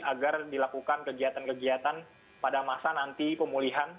agar dilakukan kegiatan kegiatan pada masa nanti pemulihan